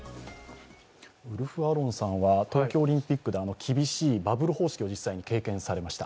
ウルフ・アロンさんは東京オリンピックで厳しいバブル方式を経験されました。